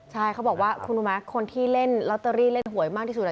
ใช่เขาบอกว่าคุณรู้ไหมคนที่เล่นลอตเตอรี่เล่นหวยมากที่สุด